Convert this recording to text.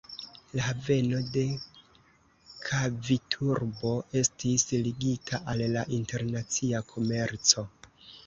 La haveno de Kaviturbo estis ligita al la internacia komerco.